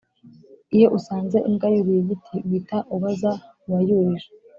Iyo usanze imbwa yuriye igiti, uhita ubaza uwayurije.